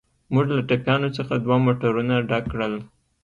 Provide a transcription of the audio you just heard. موږ له ټپیانو څخه دوه موټرونه ډک کړل.